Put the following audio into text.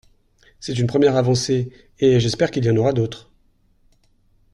C’est une première avancée, et j’espère qu’il y en aura d’autres.